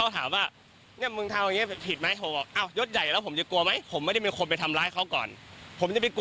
เหมือนกับทั้งใจมาชนเขาเอง